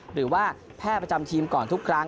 หรือว่าแพทย์ประจำทีมก่อนทุกครั้ง